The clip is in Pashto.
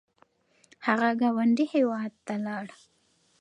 هغه ګاونډي هیواد ته لاړ